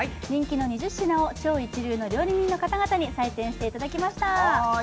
人気の２０品を超一流の料理人の方々に採点していただきました。